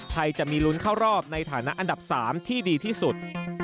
จะมีลุ้นเข้ารอบในฐานะอันดับ๓ที่ดีที่สุด